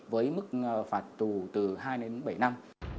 với mức phạt tù từ hai đến bảy năm